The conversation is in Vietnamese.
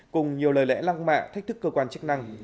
cùng nhiều lời lẽ lăng mạ thách thức cơ quan chức năng